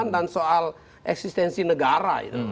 dan soal eksistensi negara